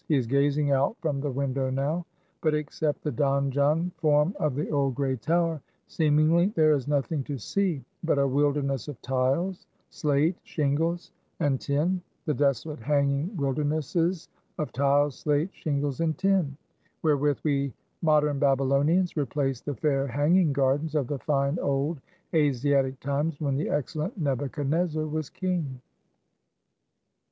He is gazing out from the window now. But except the donjon form of the old gray tower, seemingly there is nothing to see but a wilderness of tiles, slate, shingles, and tin; the desolate hanging wildernesses of tiles, slate, shingles and tin, wherewith we modern Babylonians replace the fair hanging gardens of the fine old Asiatic times when the excellent Nebuchadnezzar was king.